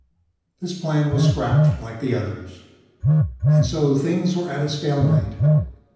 This plan was scrapped like the others. And so, things were at a stalemate.